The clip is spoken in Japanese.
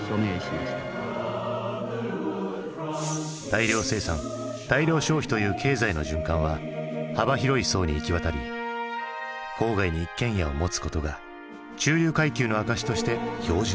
大量生産大量消費という経済の循環は幅広い層に行き渡り郊外に一軒家を持つことが中流階級の証しとして標準となる。